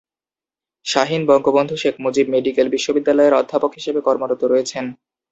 Shaheen Bangabandhu Sheikh Mujib medical বিশ্ববিদ্যালয়ের অধ্যাপক হিসেবে কর্মরত রয়েছেন।